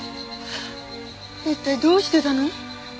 一体どうしてたの？